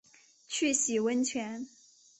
去洗温泉